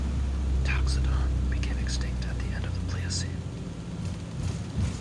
"Toxodon" became extinct at the end of the Pleistocene.